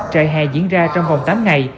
trại hè diễn ra trong vòng tám ngày